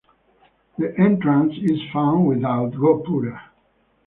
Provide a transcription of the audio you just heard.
The entrance is found without gopura.